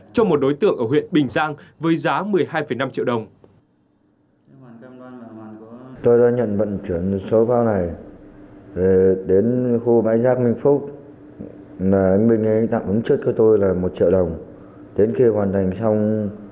cho một đối tượng ở huyện bình giang với giá một mươi hai năm triệu đồng